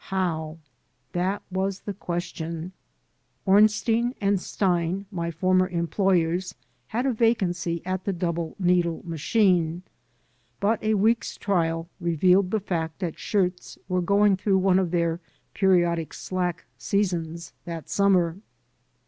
How? that was the ques tion. Ornstein and Stein — ^my former employers — ^had a vacancy at the double needle machine. But a week's trial revealed the fact that shirts were going through one of their periodic slack seasons that summer.